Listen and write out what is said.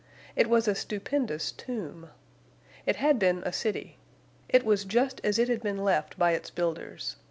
It was a stupendous tomb. It had been a city. It was just as it had been left by its builders.